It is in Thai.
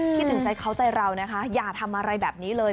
คิดถึงใจเขาใจเรานะคะอย่าทำอะไรแบบนี้เลย